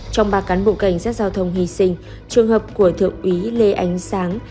trong ba cán bộ cảnh sát giao thông hy sinh trường hợp của thượng úy lê ánh sáng